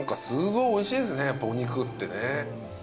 すごいおいしいですねやっぱお肉ってね。